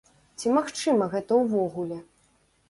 Ці магчыма гэта ўвогуле?